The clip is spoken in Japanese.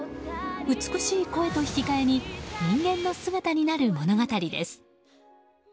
美しい声と引き換えに人間の姿になる物語です。